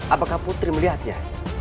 apakah putri melihatnya